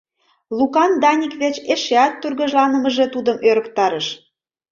Лукан Даник верч эшеат тургыжланымыже тудым ӧрыктарыш.